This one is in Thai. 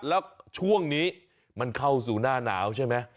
แล้วช่วงนี้มันเข้าสู่หน้าหนาวใช่ไหม